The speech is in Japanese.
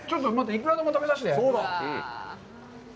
いくら丼も食べさせて。